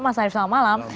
mas arief selamat malam